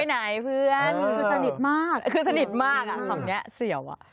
ไหนเพื่อนคือสนิทมากคือสนิทมากอ่ะคำนี้เสี่ยวอ่ะ